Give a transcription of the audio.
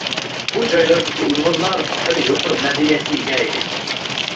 بۇ جايلاردىكى ئۇيغۇرلار خېلى يۇقىرى مەدەنىيەتكە ئىگە ئىدى.